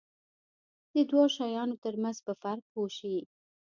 د دوو شیانو ترمنځ په فرق پوه شي.